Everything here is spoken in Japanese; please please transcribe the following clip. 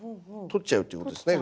取っちゃうっていうことですね。